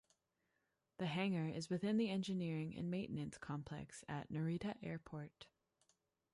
The hangar is within the engineering and maintenance complex at Narita Airport.